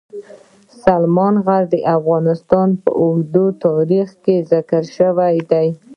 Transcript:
سلیمان غر د افغانستان په اوږده تاریخ کې ذکر شوی دی.